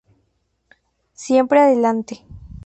Siempre Adelante.